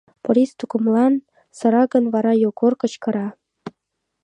Порис тукымлан сыра гын, вара Йогор кычкыра: